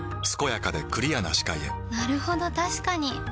健やかでクリアな視界へなるほど確かに！